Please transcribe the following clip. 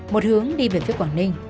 một hướng đi về phía quảng ninh